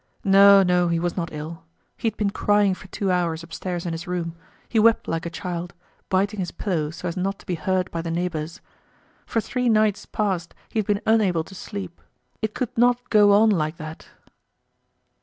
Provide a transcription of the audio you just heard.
No, no, he was not ill. He had been crying for two hours upstairs in his room; he wept like a child, biting his pillow so as not to be heard by the neighbors. For three nights past he had been unable to sleep. It could not go on like that.